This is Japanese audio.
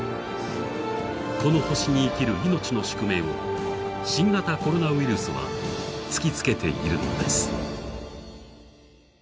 この星に生きる命の宿命を新型コロナウイルスは突きつけているのです。